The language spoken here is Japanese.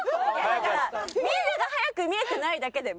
だからみんなが速く見えてないだけで。